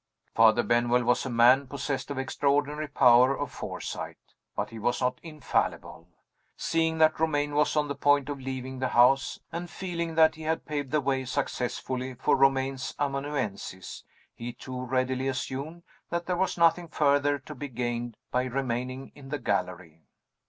Father Benwell was a man possessed of extraordinary power of foresight but he was not infallible. Seeing that Romayne was on the point of leaving the house, and feeling that he had paved the way successfully for Romayne's amanuensis, he too readily assumed that there was nothing further to be gained by remaining in the gallery.